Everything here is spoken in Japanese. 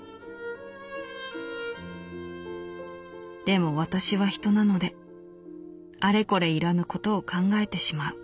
「でも私は人なのであれこれ要らぬことを考えてしまう。